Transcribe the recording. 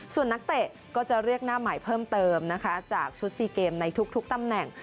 ส่วนนักเตะก็จะเรียกหน้าใหม่เพิ่มเติมนะคะจากชุด๔เกมในทุกตำแหน่ง